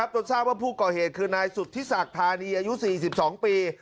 จนทราบว่าผู้ก่อเหตุคือนายสุธิศักดิ์ธานีอายุ๔๒ปี